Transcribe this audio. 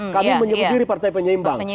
kami menyebut diri partai penyeimbang